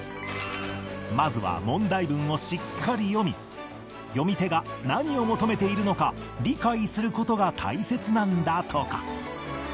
まずは問題文をしっかり読み読み手が何を求めているのか理解する事が大切なんだとか